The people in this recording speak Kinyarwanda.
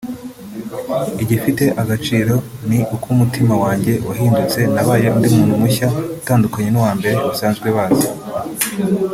Igifite agaciro ni uko umutima wanjye wahindutse nabaye undi muntu mushya utandukanye n’uwa mbere basanzwe bazi